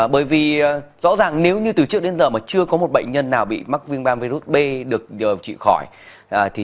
bởi vì rõ ràng nếu như từ trước đến giờ mà chưa có một bệnh nhân nào bị mắc viêm gan virus b được điều trị khỏi